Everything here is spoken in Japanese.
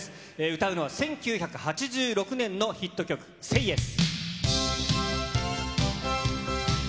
歌うのは１９８６年のヒット曲、ＳａｙＹｅｓ！